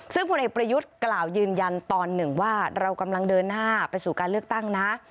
ซึ่งผลเอกประยุทธ์กล่าวยืนยันตอนหนึ่งว่าเรากำลังเดินหน้าไปสู่การเลือกตั้งนะ